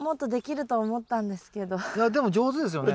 いやでも上手ですよね？